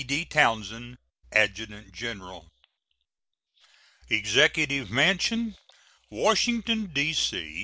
D. TOWNSEND, Adjutant General. EXECUTIVE MANSION, _Washington, D.C.